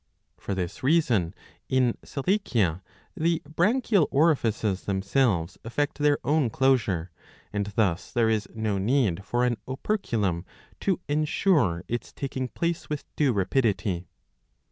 '^^ For this reason in Selachia the branchial orifices them selves effect their own closure, and thus there is no need for an operculum to ensure its taking place with due rapidity